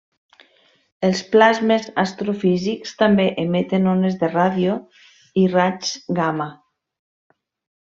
Els plasmes astrofísics també emeten ones de ràdio i raigs gamma.